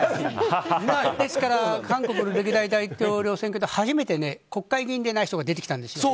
韓国の歴代大統領選挙で初めて国会議員でない人が出てきてたんですよ。